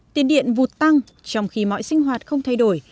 tiền điện vụt tăng trong khi mọi sinh hoạt không thay đổi